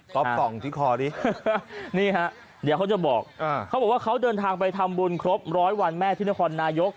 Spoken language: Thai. ป่องที่คอดินี่ฮะเดี๋ยวเขาจะบอกเขาบอกว่าเขาเดินทางไปทำบุญครบร้อยวันแม่ที่นครนายก